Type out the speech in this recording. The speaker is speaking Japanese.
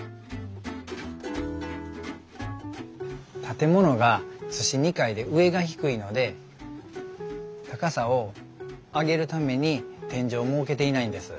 建物が厨子二階で上が低いので高さを上げるために天井を設けていないんです。